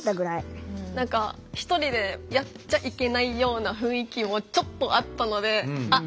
何か１人でやっちゃいけないような雰囲気もちょっとあったのであっ